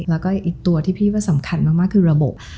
แล้วก็อีกตัวที่พี่ว่าสำคัญมากคือระบบ